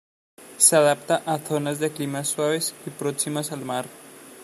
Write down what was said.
Se adapta a zonas de climas suaves y próximas al mar.